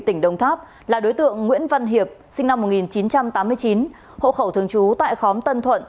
tỉnh đồng tháp là đối tượng nguyễn văn hiệp sinh năm một nghìn chín trăm tám mươi chín hộ khẩu thường trú tại khóm tân thuận